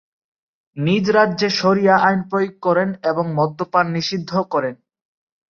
নিজ রাজ্যে শরিয়া আইন প্রয়োগ করেন এবং মদ্যপান নিষিদ্ধ করেন।